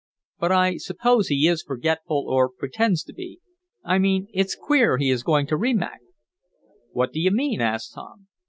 But I suppose he is forgetful, or pretends to be. I mean it's queer he is going to Rimac." "What do you mean?" asked Tom.